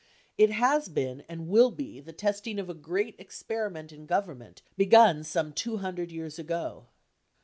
It has been and will be the testing of a great experiment in government begun some 200 years ago.